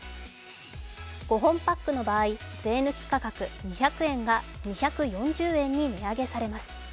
５本パックの場合、税抜き価格２００円が２４０円に値上げされます。